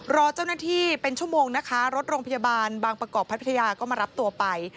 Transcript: รอเจ้าหน้าที่เป็นชั่วโมงนะคะรถโรงพยาบาลบางประกอบพัทยาก็มารับตัวไป